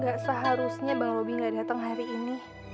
gak seharusnya bang robby gak datang hari ini